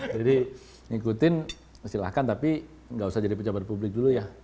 jadi ngikutin silahkan tapi gak usah jadi pejabat publik dulu ya